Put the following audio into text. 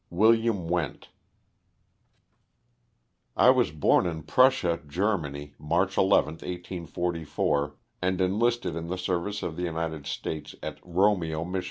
WILLIAM WENDT. I WAS born in Prussia, Germany, March 11, 1844, ^ and enlisted in the service of the United States, at Romeo, Mich.